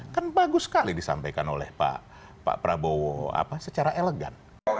kan bagus sekali disampaikan oleh pak prabowo secara elegan